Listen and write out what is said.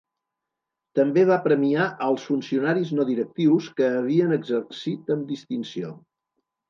També va premiar als funcionaris no directius que havien exercit amb distinció.